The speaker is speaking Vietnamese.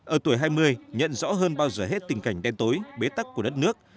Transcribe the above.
ở tuổi hai mươi nhận rõ hơn bao giờ hết tình cảnh đen tối bế tắc của đất nước